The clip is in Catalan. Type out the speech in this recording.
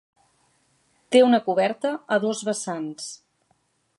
Té una coberta a dos vessants.